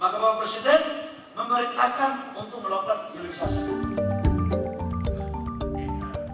makamu presiden memerintahkan untuk melakukan hilirisasi